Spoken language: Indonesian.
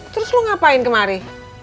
terus lu ngapain kemari